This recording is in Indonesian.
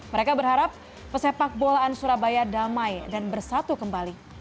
mereka berharap pesepak bolaan surabaya damai dan bersatu kembali